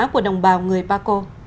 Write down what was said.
của đồng bào người paco